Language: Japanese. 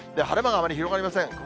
晴れ間があまり広がりません。